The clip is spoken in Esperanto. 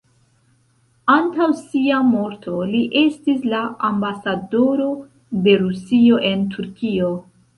Antaŭ sia morto li estis la ambasadoro de Rusio en Turkio.